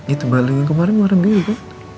itu balon yang kemarin warna biru kan